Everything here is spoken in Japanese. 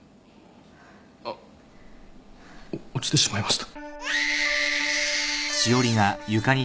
お落ちてしまいました。